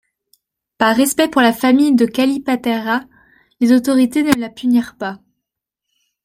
Par respect pour la famille de Kallipateira, les autorités ne la punirent pas.